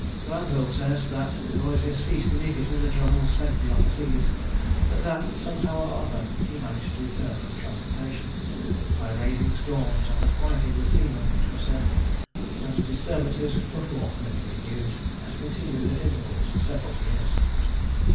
Glanvil says, that the noises ceased immediately the drummer was sent beyond the seas; but that, somehow or other, he managed to return from transportation, "by raising storms and affrighting the seamen, it was said;" when the disturbances were forthwith renewed, and continued at intervals for several years.